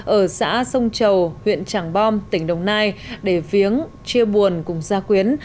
ở xã sông chầu huyện tràng bom tỉnh đồng nai để viếng chia buồn cùng gia quyến